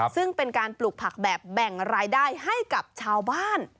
ซึ่งเป็นการปลูกผักแบบแบ่งรายได้ให้กับชาวบ้าน